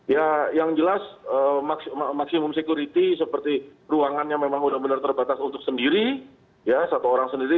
ya yang jelas maksimum security seperti ruangannya memang benar benar terbatas untuk sendiri ya satu orang sendiri